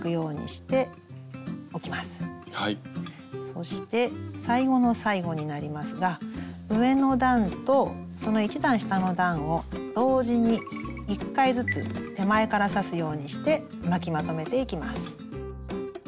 そして最後の最後になりますが上の段とその１段下の段を同時に１回ずつ手前から刺すようにして巻きまとめていきます。